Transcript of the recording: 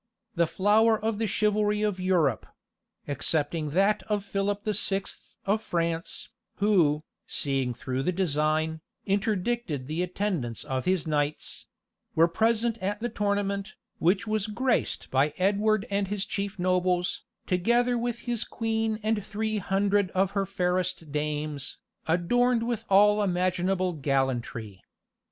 The flower of the chivalry of Europe excepting that of Philip the Sixth of France, who, seeing through the design, interdicted the attendance of his knights were present at the tournament, which was graced by Edward and his chief nobles, together with his queen and three hundred of her fairest dames, "adorned with all imaginable gallantry."